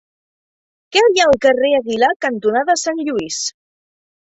Què hi ha al carrer Aguilar cantonada Sant Lluís?